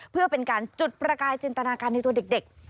เพื่อเป็นการจุดประกายจินตนาการในตัวเด็ก